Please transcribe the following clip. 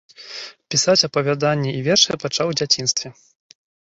Пісаць апавяданні і вершы пачаў у дзяцінстве.